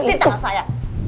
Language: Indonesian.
pasti tak akan saya